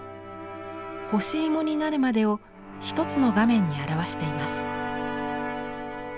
干しいもになるまでを一つの画面に表しています。